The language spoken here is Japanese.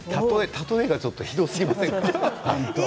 例えがひどすぎませんか。